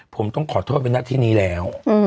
ผมต้องขอโทษเป็นหน้าที่นี้แล้ว